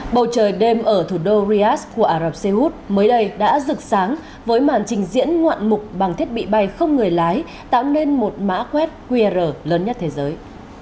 bầu trời đêm ở thủ đô riyadh của ả rập xê út mới đây đã rực sáng với màn trình diễn ngoạn mục bằng thiết bị bay không người lái tạo nên một mã quét qr lớn nhất thế giới